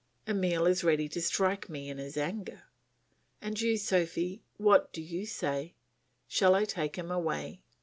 Emile is ready to strike me in his anger. "And you, Sophy, what do you say? Shall I take him away?"